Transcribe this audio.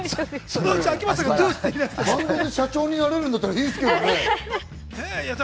反動で社長になれるんだったらいいですけどね。